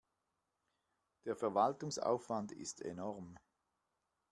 Der Verwaltungsaufwand ist enorm.